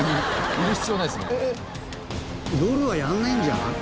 夜はやらないんじゃん？